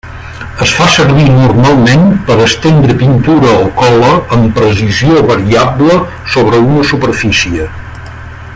Es fa servir normalment per estendre pintura o cola amb precisió variable sobre una superfície.